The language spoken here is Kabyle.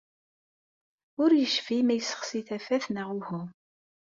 Ur yecfi ma yessexsi tafat neɣ uhu.